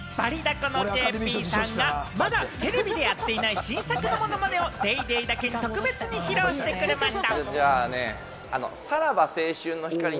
このＪＰさんがまだテレビでやっていない新作のものまねを『ＤａｙＤａｙ．』だけに特別に披露してくれました。